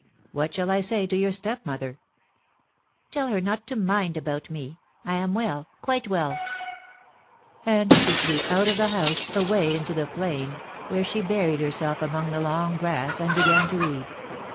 What shall I say to your stepmother P *Tell her not to mind about me. I am well — quite well !' And she flew out of the house, away into the plain, where she buried herself among the long grass and began to read.